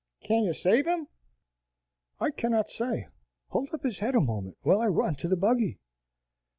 "Can you save him?" "I cannot say. Hold up his head a moment, while I run to the buggy."